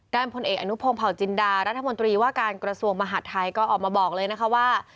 ผลเอกอนุพงศ์เผาจินดารัฐมนตรีว่าการกระทรวงมหาดไทยก็ออกมาบอกเลยนะคะว่า